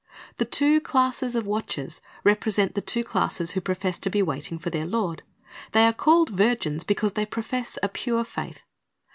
The two classes of watchers represent the two classes who profess to be waiting for their Lord. They are called virgins because they profess a pure faith.